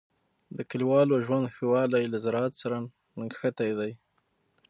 د کلیوالو ژوند ښه والی له زراعت سره نښتی دی.